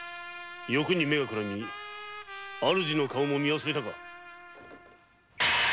欲に目がくらみあるじの顔も見忘れたか？